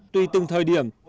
tùy từng thời điểm